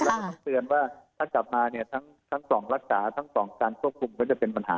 แล้วก็ต้องเตือนว่าถ้ากลับมาเนี่ยทั้งสองรักษาทั้งสองการควบคุมก็จะเป็นปัญหา